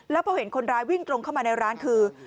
แล้วพอเห็นคนร้ายวิ่งตรงเข้ามาในร้านคือ